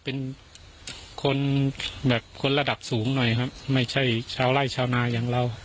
เป็นคนแบบคนระดับสูงหน่อยครับไม่ใช่ชาวไล่ชาวนาอย่างเรา